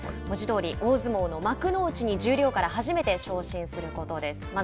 文字どおり大相撲の幕内に十両から初めて昇進することです。